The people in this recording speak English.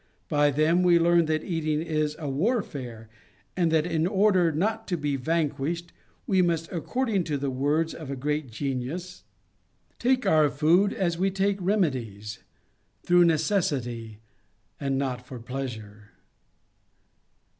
By them we learn that eating is a warfare, and that, in order not to be vanquished, we must, according to the words of a great genius, take our food as we take remedies, through neces sity, and not for pleasure.